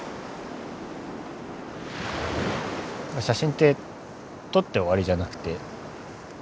写真って撮って終わりじゃなくて。